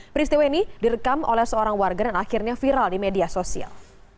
peristiwa ini direkam oleh seorang warga dan akhirnya viral di media sosial